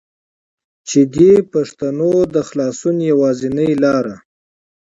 چې دې پښتنو د خلاصونو يوازينۍ لاره